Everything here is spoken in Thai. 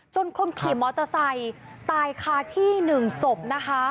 คนขี่มอเตอร์ไซค์ตายคาที่๑ศพนะคะ